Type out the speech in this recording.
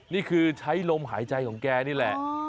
นี่คือใช้ลมหายใจของแกนี่แหละ